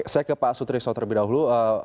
saya ke pak sutrisno terlebih dahulu